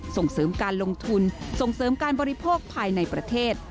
ส่งเสริมการลงทุนส่งเสริมการบริโภคภายในประเทศ